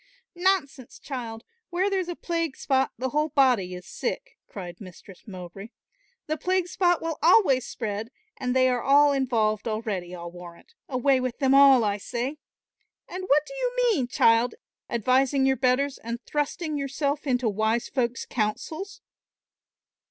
"Nonsense, child, where there's a plague spot, the whole body is sick," cried Mistress Mowbray. "The plague spot will always spread, and they are all involved already, I'll warrant; away with them all I say. And what do you mean, child, advising your betters and thrusting yourself into wise folks' counsels?"